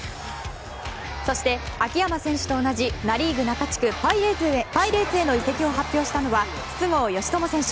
そして、秋山選手と同じナ・リーグ中地区パイレーツへの移籍を発表したのが筒香嘉智選手。